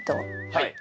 はい。